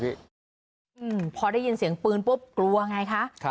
พอได้ยินเสียงปืนปุ๊บกลัวอย่างไรคะ